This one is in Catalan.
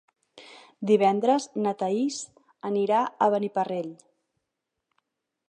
Divendres na Thaís anirà a Beniparrell.